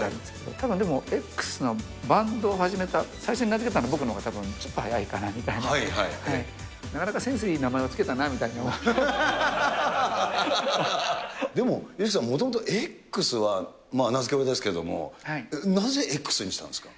たぶんＸのバンドを始めたのが、最初に名付けたのは僕のほうたぶんちょっと早いかなみたいな、なかなかセンスいい名前を付けたでも、ＹＯＳＨＩＫＩさん、もともとＸは、名付け親ですけれども、なぜＸにしたんですか？